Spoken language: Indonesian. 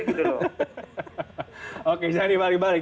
hahaha oke jangan dibalik balik